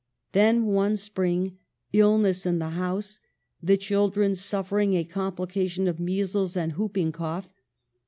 Then, one spring, illness in the house; the children suffering a complication of measles and whoop ing cough.